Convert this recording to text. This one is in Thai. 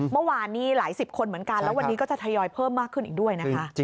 เมื่อวานนี้หลายสิบคนเหมือนกันแล้ววันนี้ก็จะทยอยเพิ่มมากขึ้นอีกด้วยนะคะ